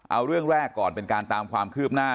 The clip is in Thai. เอาเรื่องแรกก่อนเป็นการตามความคืบหน้า